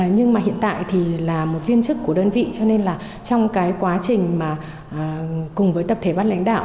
nhưng mà hiện tại thì là một viên chức của đơn vị cho nên là trong cái quá trình mà cùng với tập thể ban lãnh đạo